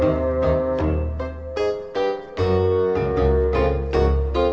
rumah ini ada orangnya